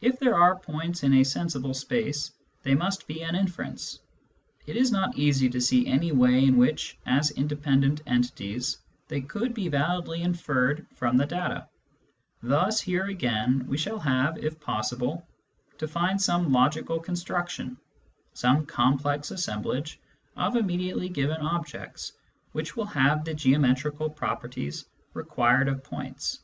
If there are points in a 8 Digitized by Google 114 SCIENTIFIC METHOD IN PHILOSOPHY sensible space, they must be an inference. It is not easy to see any way in which, as independent entities, they could be validly inferred from the data ; thus here again, we shall have, if possible, to find some logical con struction, some complex assemblage of immediately given objects, which will have the geometrical properties required of points.